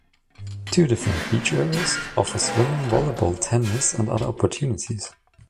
Two different beach areas offer swimming, volleyball, tennis, and other opportunities.